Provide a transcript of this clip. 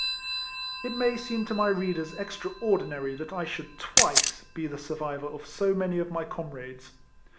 It may seem to my readers extraordinary that I should twice be the survivor of so many of my comrades.